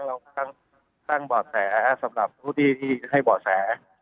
เราเองก็ตั้งบอดแสสำหรับผู้ดีให้บอดแส